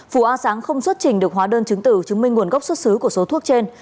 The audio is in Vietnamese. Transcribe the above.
phù a sáng không xuất trình được hóa đơn chứng tử chứng minh nguồn gốc xuất xứ của số thuốc trên